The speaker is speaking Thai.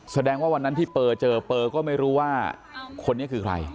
แสดงว่าวันนั้นที่เปอร์เจอเปอร์ก็ไม่รู้ว่าคนนี้คือใคร